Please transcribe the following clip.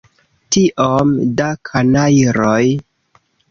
Tiom da kanajloj!